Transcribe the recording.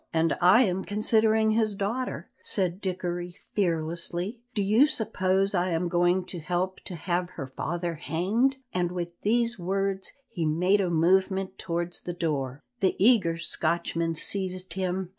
"And I am considering his daughter," said Dickory fearlessly; "do you suppose I am going to help to have her father hanged?" and with these words he made a movement towards the door. The eager Scotchman seized him.